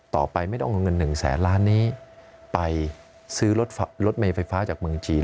ไม่ต้องเอาเงิน๑แสนล้านนี้ไปซื้อรถเมย์ไฟฟ้าจากเมืองจีน